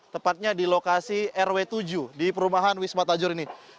tepatnya di lokasi rw tujuh di perumahan wisma tajur ini